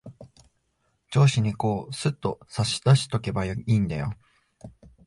上司にこう、すっと差し出しとけばいんだよ。